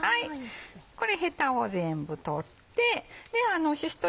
これヘタを全部取ってしし唐